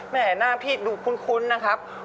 หน้าพี่ดูคุ้นนะครับ